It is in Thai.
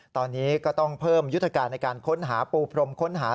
ตอนนี้ก็ต้องเพิ่มยุทธการในการค้นหาปูพรมค้นหา